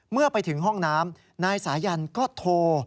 เมื่อไปถึงห้องน้ำนายสายันก็โทร